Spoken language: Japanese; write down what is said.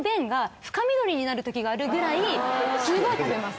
すごい食べます。